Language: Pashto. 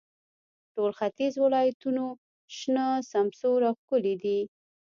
ټول ختیځ ولایتونو شنه، سمسور او ښکلي دي.